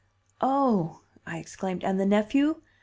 "Oh!" I exclaimed; "and the nephew?